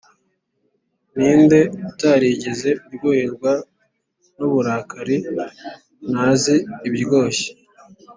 ninde utarigeze aryoherwa n'uburakari, ntazi ibiryoshye.